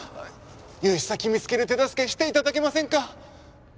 融資先見つける手助けしていただけませんか？